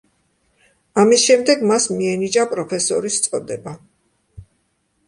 ამის შემდეგ მას მიენიჭა პროფესორის წოდება.